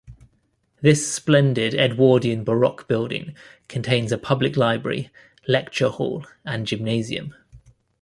This splendid Edwardian Baroque building contains a public library, lecture hall and gymnasium.